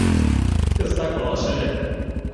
Кызытак палаш ыле.